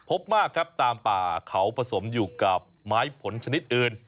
พบมากครับตามป่าเขาผสมอยู่กับไม้ผลชนิดอื่น